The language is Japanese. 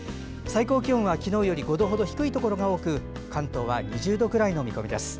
最高気温は、昨日より５度ほど低いところが多く関東は２０度くらいの見込みです。